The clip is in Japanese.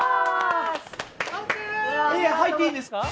入っていいんですか？